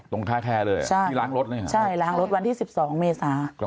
ตรงคาแคเลยใช่ที่ล้างรถใช่ไหมใช่ล้างรถวันที่สิบสองเมษา